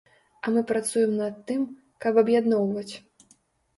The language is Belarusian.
А мы працуем над тым, каб аб'ядноўваць.